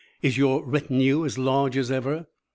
Is your retinue as large as ever?"